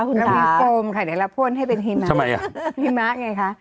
คุณสาวแล้วมีโคมไข่ไหนละพ่นให้เป็นหิมะทำไมอ่ะหิมะไงค่ะ